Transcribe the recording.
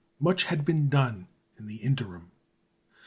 Much had been done in the interim.